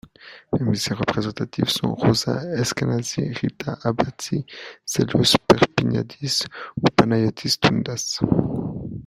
Les musiciens représentatifs sont Róza Eskenázy, Ríta Abatzí, Stelios Perpiniadis ou Panayótis Toúndas...